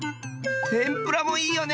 てんぷらもいいよね！